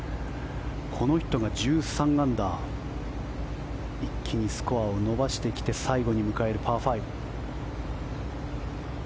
この人が１３アンダー一気にスコアを伸ばしてきて最後に迎えるパー